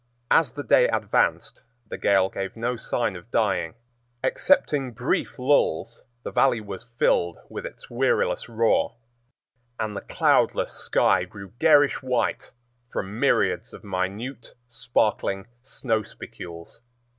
As the day advanced, the gale gave no sign of dying, excepting brief lulls, the Valley was filled with its weariless roar, and the cloudless sky grew garish white from myriads of minute, sparkling snow spicules.